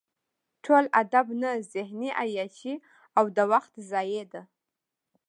ټول ادب نه ذهني عیاشي او د وخت ضایع ده.